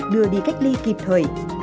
đưa đi cách ly kịp thời